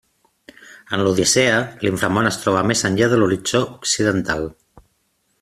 En l'Odissea, l'Inframón es troba més enllà de l'horitzó occidental.